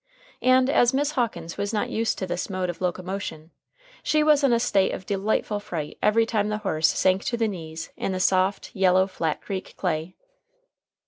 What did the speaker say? And as Miss Hawkins was not used to this mode of locomotion, she was in a state of delightful fright every time the horse sank to the knees in the soft, yellow Flat Creek clay.